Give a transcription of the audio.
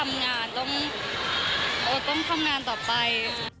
เราก็ยังต้องทำงานต้องทำงานต่อไป